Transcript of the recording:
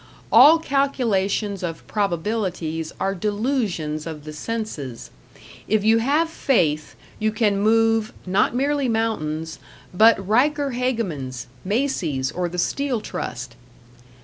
All calculations of probabilities are delusions of the senses; if you have faith, you can move, not merely mountains, but Riker Hegeman's, Macy's, or the Steel Trust.